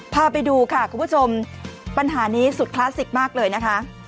พาไปดูค่ะคุณผู้ชมปัญหานี้สุดคลาสสิกมากเลยนะคะ